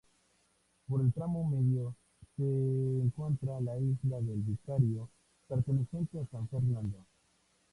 Por el tramo medio se encuentra la Isla del Vicario, perteneciente a San Fernando.